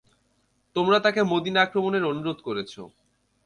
তোমরা তাকে মদীনা আক্রমণের অনুরোধ করেছ।